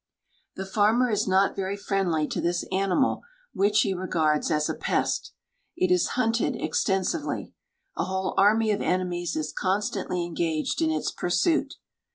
The farmer is not very friendly to this animal, which he regards as a pest. It is hunted extensively. A whole army of enemies is constantly engaged in its pursuit.